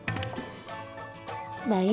masih berdua ya